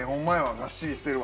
がっしりしてるわ。